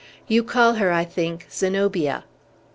You call her, I think, Zenobia."